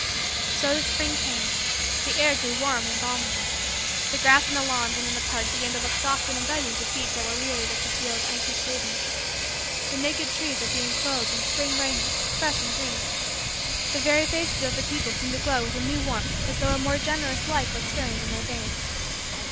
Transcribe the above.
So the spring came. The air grew warm and balmy. The grass on the lawns and in the parks began to look soft and inviting to feet that were weary with the feel of icy pavements. The naked trees were being clothed in spring raiment, fresh and green. The very faces of the people seemed to glow with a new warmth as though a more generous life was stirring in their veins.